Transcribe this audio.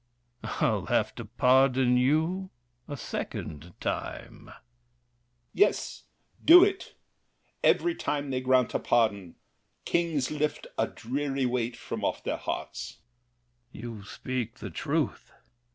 I'll have to pardon you a second time. L'ANGELY. Yes, do it! Every time they grant a pardon, Kings lift a dreary weight from off their hearts. THE KING. You speak the truth.